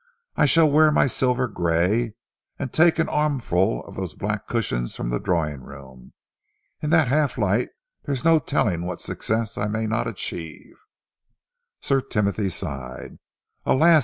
I shall wear my silver grey and take an armful of those black cushions from the drawing room. In that half light, there is no telling what success I may not achieve." Sir Timothy sighed. "Alas!"